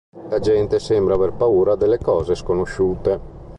La gente sembra aver paura delle cose sconosciute.